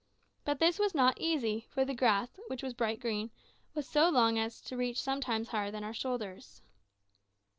But this was not easy, for the grass, which was bright green, was so long as to reach sometimes higher than our shoulders.